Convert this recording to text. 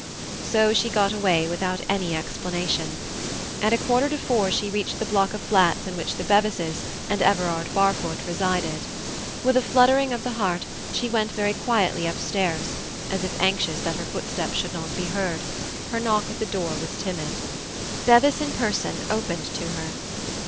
So she got away without any explanation. At a quarter to four she reached the block of flats in which the Bevises (and Everard Barfoot) resided. With a fluttering of the heart, she went very quietly upstairs, as if anxious that her footsteps should not be heard; her knock at the door was timid. Bevis in person opened to her.